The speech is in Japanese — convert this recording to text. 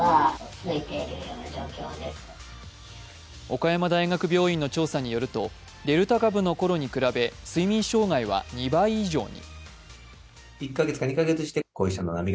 岡山大学病院の調査によるとデルタ株のころに比べ睡眠障害は２倍以上に。